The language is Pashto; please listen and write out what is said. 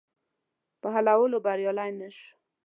په حلولو بریالی نه شو.